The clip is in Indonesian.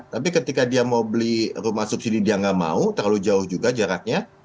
tapi ketika dia mau beli rumah subsidi dia nggak mau terlalu jauh juga jaraknya